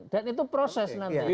dan itu proses nanti